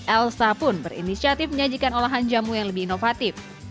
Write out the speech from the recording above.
elsa pun berinisiatif menyajikan olahan jamu yang lebih inovatif